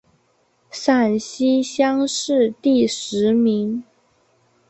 陕西乡试第十名。